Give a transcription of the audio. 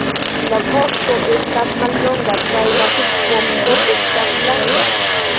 La vosto estas mallonga kaj la subvosto estas blanka.